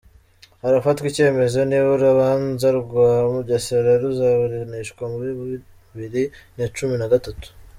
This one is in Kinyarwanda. Harafatwa icyemezo niba urubanza rwa Mugesera ruzaburanishwa muri bibiri nacumi nagatatu